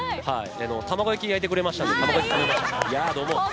卵焼き焼いてくれましたので卵焼き食べました。